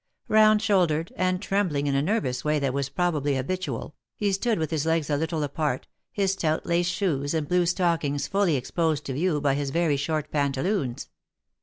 Round shouldered, and trembling in a nervous way that was probably habitual, he stood with his legs a little apart, his stout laced shoes and blue stockings fully exposed to view by his very short pantaloons.